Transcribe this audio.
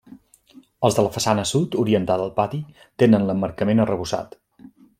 Els de la façana sud, orientada al pati, tenen l'emmarcament arrebossat.